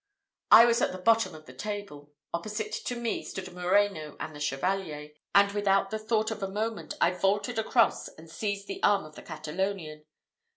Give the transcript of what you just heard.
I was at the bottom of the table opposite to me stood Moreno and the Chevalier: and without the thought of a moment, I vaulted across and seized the arm of the Catalonian.